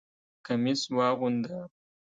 کمیس واغونده!